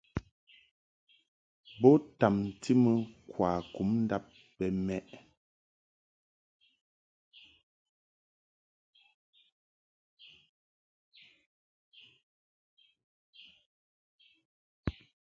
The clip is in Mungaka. Bo tamti mɨ kwakum ndab bɛ mɛʼ.